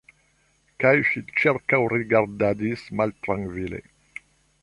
Kaj ŝi ĉirkaŭrigardadis maltrankvile.